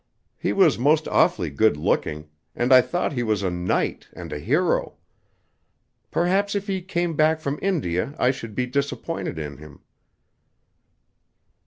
He was most awfully good looking, and I thought he was a knight and a hero. Perhaps if he came back from India I should be disappointed in him."